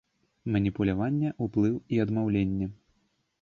Маніпуляванне, уплыў і адмаўленне.